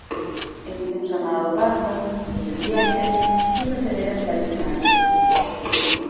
Emite un llamado bajo, descendiente, que se acelera hacia el final.